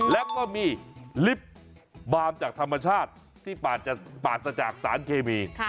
แล้วก็มีลิฟต์บามจากธรรมชาติที่ปราศจากสารเคมี